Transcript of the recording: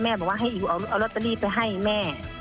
เอาลอตเตอรี่ไปให้แม่